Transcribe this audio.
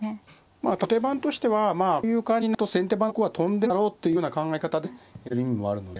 まあただ後手番としてはまあこういう感じになると先手番の得は飛んでるだろうというような考え方でねやってる意味もあるので。